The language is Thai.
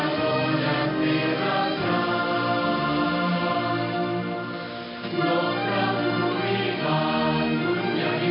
ท่านเหลิงขอบคุณที่เชื่อจริงขอแห่งสงสัยค่ะ